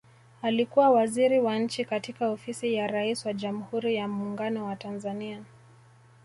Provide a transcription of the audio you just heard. Alikuwa Waziri wa Nchi katika Ofisi ya Rais wa Jamhuri ya Muungano wa Tanzania